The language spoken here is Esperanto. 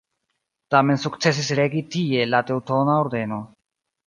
Tamen sukcesis regi tie la Teŭtona Ordeno.